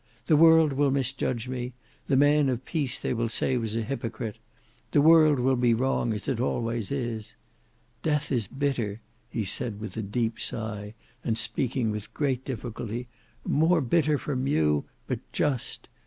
The world will misjudge me; the man of peace they will say was a hypocrite. The world will be wrong, as it always is. Death is bitter," he said with a deep sigh, and speaking with great difficulty, "more bitter from you; but just.